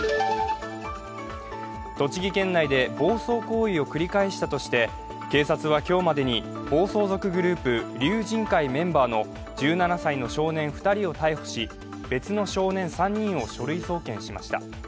栃木県内で暴走行為を繰り返したとして警察は今日までに暴走族グループ龍神會メンバーの１７歳の少年２人を逮捕し別の少年３人を書類送検しました。